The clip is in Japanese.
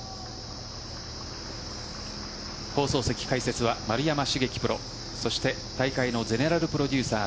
放送席解説は丸山茂樹プロそして大会のゼネラルプロデューサー